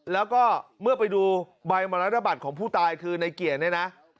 แล้วก็เมื่อไปดูใบมรณบัตรของผู้ตายคือในเกียรติเนี่ยนะ